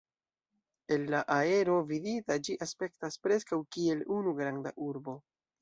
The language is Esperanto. El la aero vidita ĝi aspektas preskaŭ kiel unu granda urbo.